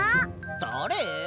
だれ？